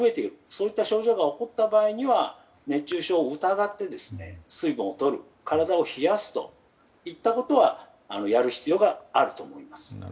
そういった症状が起こった場合には熱中症を疑って水分をとる体を冷やすといったことはやる必要があると思います。